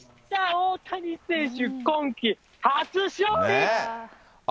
大谷選手、今季初勝利。